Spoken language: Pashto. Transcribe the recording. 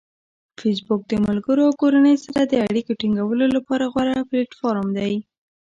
فېسبوک د ملګرو او کورنۍ سره د اړیکې ټینګولو لپاره غوره پلیټفارم دی.